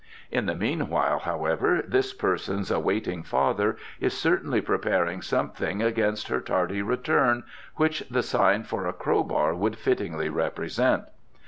In the meanwhile, however, this person's awaiting father is certainly preparing something against her tardy return which the sign for a crowbar would fittingly represent."